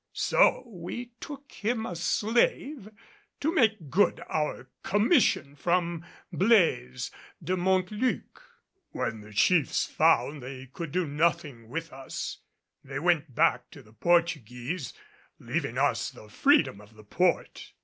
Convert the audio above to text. So we took him a slave to make good our commission from Blaise de Montluc. When the chiefs found they could do nothing with us, they went back to the Portuguese, leaving us the freedom of the port.